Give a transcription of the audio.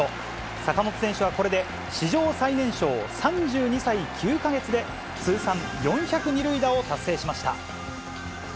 坂本選手はこれで史上最年少、３２歳９か月で、通算４００二塁打を達成しました。